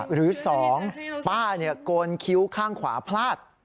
หรือสองป้าเนี่ยโกนคิ้วข้างขวาพลาด